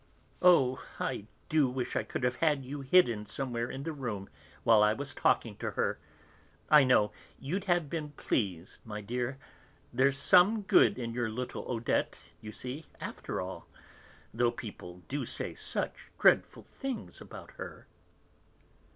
Oh, I do wish I could have had you hidden somewhere in the room while I was talking to her. I know, you'd have been pleased, my dear. There's some good in your little Odette, you see, after all, though people do say such dreadful things about her."